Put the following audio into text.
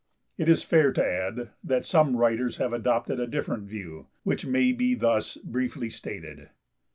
It is fair to add that some writers have adopted a different view, which may be thus briefly stated.